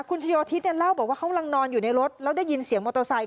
คุณชโยธิตเล่าบอกว่าเขากำลังนอนอยู่ในรถแล้วได้ยินเสียงมอเตอร์ไซค